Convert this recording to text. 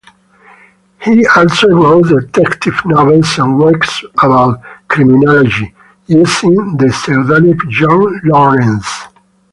He also wrote detective novels and works about criminology using the pseudonym John Laurence.